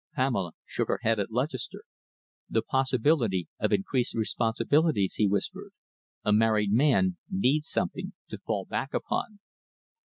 Pamela shook her head at Lutchester. "The possibility of increased responsibilities," he whispered. "A married man needs something to fall back upon."